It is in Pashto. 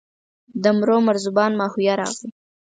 د مرو مرزبان ماهویه راغی.